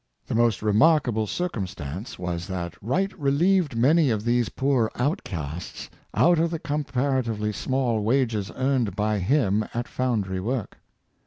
The most remarkable circumstance was that Wright relieved many of these poor outcasts out of the com paratively small wages earned by him at foundry work.